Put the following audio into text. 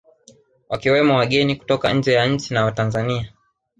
Wakiwemo wageni kutoka nje ya nchi na Watanzania